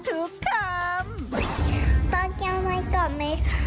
ตกอยู่ในกรอบมิฮะมีรถหน่วยหม่อมรถดูเถอะล่ะละมนต์กิ๊ดแขด